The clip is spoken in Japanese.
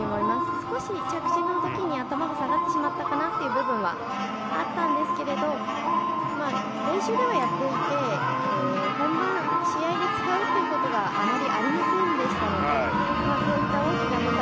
少し着地の時に頭が下がってしまったかなという部分はあったんですが練習ではやっていて本番、試合で使うということがあまりありませんでしたのでこういった大きな舞台